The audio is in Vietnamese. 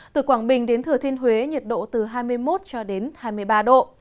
từ quảng bình đến thừa thiên huế nhiệt độ từ hai mươi một cho đến hai mươi ba độ